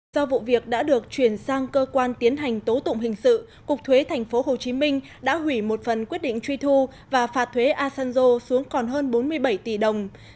do vụ việc đã được chuyển sang cơ quan tiến hành tố tụng hình sự cục thuế thành phố hồ chí minh đã hủy một phần quyết định truy thu và phạt thuế asanjo xuống còn hơn bốn mươi bảy tỷ đồng